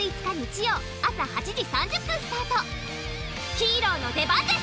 ヒーローの出番です！